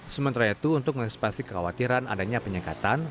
sementara itu untuk menyesipasi kekhawatiran adanya penyengketan